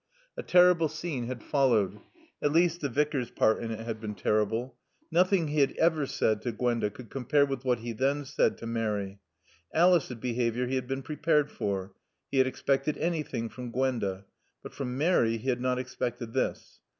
A terrible scene had followed; at least the Vicar's part in it had been terrible. Nothing he had ever said to Gwenda could compare with what he then said to Mary. Alice's behavior he had been prepared for. He had expected anything from Gwenda; but from Mary he had not expected this.